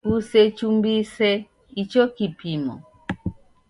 Kusechumbise icho kipimo.